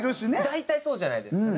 大体そうじゃないですか。